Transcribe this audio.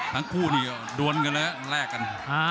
ครั้งคู่นี่ดวนก่อนแรกกัน